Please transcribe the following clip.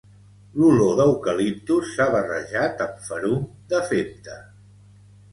L'olor d'eucaliptus s'ha barrejat amb ferum de femta